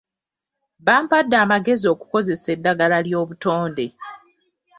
Bampadde amagezi okukozesa eddagala ly'obutonde.